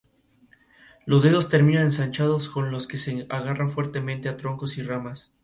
Los dedos terminan ensanchados con los que se agarran fuertemente a troncos y ramas.